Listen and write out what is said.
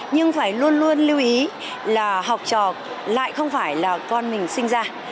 nhưng phải luôn luôn lưu ý là học trò lại không phải là con mình sinh ra